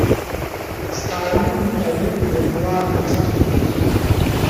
Stan eut un œil au beurre noir par sa faute.